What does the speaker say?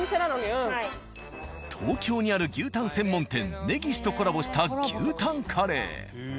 東京にある牛タン専門店「ねぎし」とコラボした牛タンカレー。